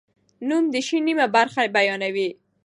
نوم د شي نیمه برخه بیانوي.